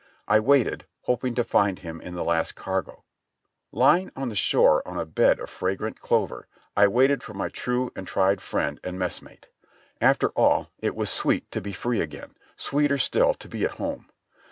I waited, hoping to find him in the last cargo. Lying on the shore on a bed of fragrant clover I waited for my true and tried friend and mess mate. After all, it was sweet to be free again, sweeter still to be at home.